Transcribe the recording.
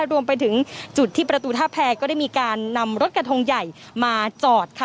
รวมไปถึงจุดที่ประตูท่าแพรก็ได้มีการนำรถกระทงใหญ่มาจอดค่ะ